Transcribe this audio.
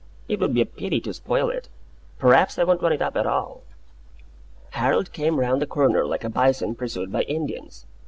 It would be a pity to spoil it. P'raps I won't run it up at all." Harold came round the corner like a bison pursued by Indians.